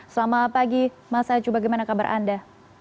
selamat pagi mas acu bagaimana kabar anda